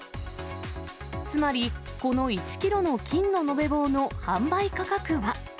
つまりこの１キロの金の延べ棒の販売価格は。